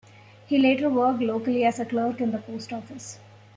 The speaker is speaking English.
He later worked locally as a clerk in the Post Office.